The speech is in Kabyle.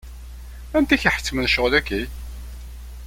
Anti i k-iḥettmen ccɣel-agi?